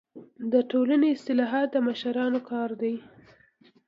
د ټولني اصلاحات د مشرانو کار دی.